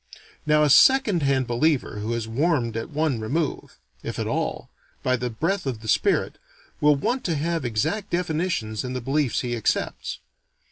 Now, a second hand believer who is warmed at one remove if at all by the breath of the spirit, will want to have exact definitions in the beliefs he accepts.